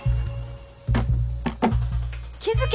気付け！